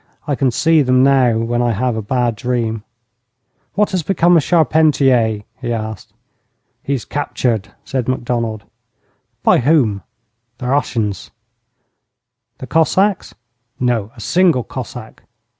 I can see them now when I have a bad dream. 'What has become of Charpentier?' he asked. 'He is captured,' said Macdonald. 'By whom?' 'The Russians.' 'The Cossacks?' 'No, a single Cossack.'